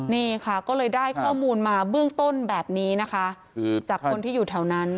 นี่ค่ะก็เลยได้ข้อมูลมาเบื้องต้นแบบนี้นะคะคือจากคนที่อยู่แถวนั้น